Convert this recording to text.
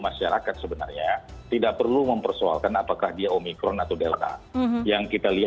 masyarakat sebenarnya tidak perlu mempersoalkan apakah dia omikron atau delta yang kita lihat